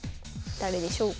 誰でしょうか。